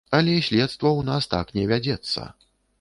Але следства ў нас так не вядзецца.